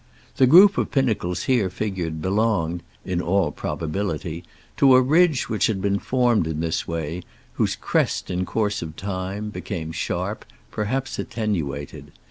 The group of pinnacles here figured belonged, in all probability, to a ridge which had been formed in this way, whose crest, in course of time, became sharp, perhaps at tenuated.